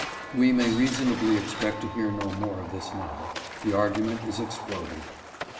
We may reasonably expect to hear no more of this now, the argument is exploded.